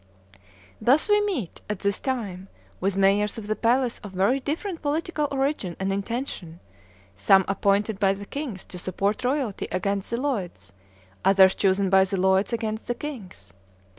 Thus we meet, at this time, with mayors of the palace of very different political origin and intention, some appointed by the kings to support royalty against the "leudes," others chosen by the "leudes" against the kings.